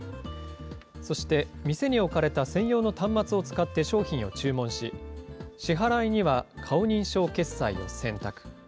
そして、店に置かれた専用の端末を使って商品を注文し、支払いには顔認証決済を選択。